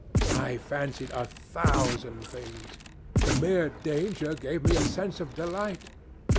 I fancied a thousand things. The mere danger gave me a sense of delight.